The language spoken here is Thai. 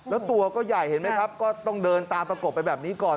แล้วตัวก็ใหญ่เห็นไหมครับก็ต้องเดินตามประกบไปแบบนี้ก่อน